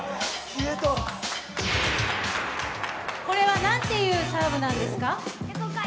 これは何というサーブなんですか？